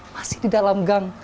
masih di dalam gang